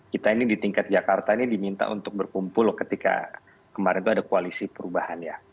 kita ini di tingkat jakarta ini diminta untuk berkumpul loh ketika kemarin itu ada koalisi perubahan ya